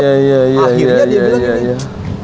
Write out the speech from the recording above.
akhirnya dia bilang gini